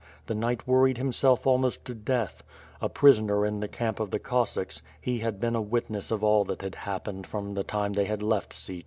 The knight worried himself almost to death. A pris oner in the camp of the Cossacks, he had been a witness of all that had happened from the time they had left Sich.